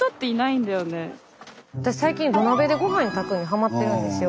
私最近土鍋でごはん炊くのハマってるんですよ。